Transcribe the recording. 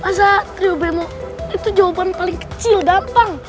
aza trio bemo itu jawaban paling kecil gampang